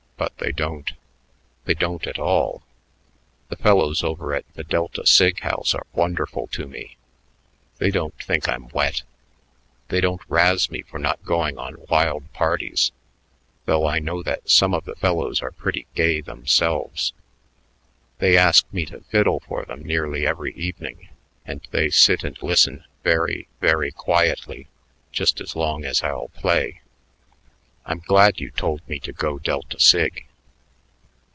But they don't. They don't at all. The fellows over at the Delta Sig house are wonderful to me. They don't think I'm wet. They don't razz me for not going on wild parties, though I know that some of the fellows are pretty gay themselves. They ask me to fiddle for them nearly every evening, and they sit and listen very, very quietly just as long as I'll play. I'm glad you told me to go Delta Sig."